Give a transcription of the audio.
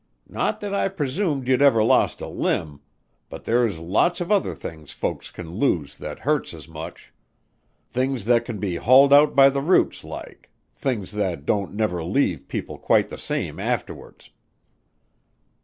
Not that I presumed you'd ever lost a limb but there's lots of other things folks can lose that hurts as much; things that can be hauled out by the roots, like; things that don't never leave people quite the same afterwards."